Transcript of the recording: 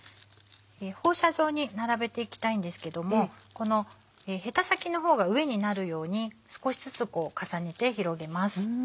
放射状に並べていきたいんですけどもこのヘタ先の方が上になるように少しずつこう重ねて広げます。